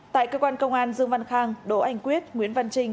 tại cơ quan công an dương văn khang đỗ anh quyết nguyễn văn trinh